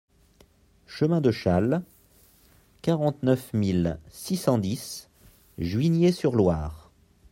Chemin de Chasles, quarante-neuf mille six cent dix Juigné-sur-Loire